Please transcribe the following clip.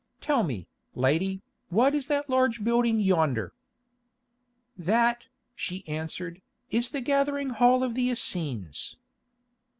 Tell me, lady, what is that large building yonder?" "That," she answered, "is the gathering hall of the Essenes."